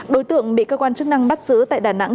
đối tượng bị cơ quan chức năng bắt giữ tại đà nẵng